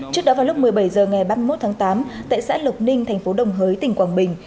trước đó vào lúc một mươi bảy h ngày ba mươi một tháng tám tại xã lộc ninh thành phố đồng hới tỉnh quảng bình